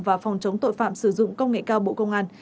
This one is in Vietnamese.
và phòng chống tội phạm sử dụng công nghệ cao bộ công an